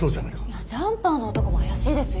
いやジャンパーの男も怪しいですよ。